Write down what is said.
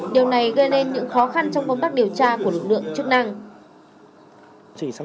điều này gây nên những khó khăn trong công tác điều tra của lực lượng chức năng